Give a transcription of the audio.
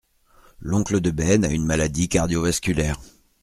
L’oncle de Ben a une maladie cardiovasculaire.